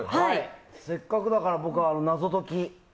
せっかくだから僕は謎解き。